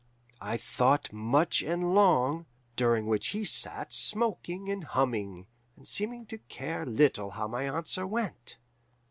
"I thought much and long, during which he sat smoking and humming, and seeming to care little how my answer went.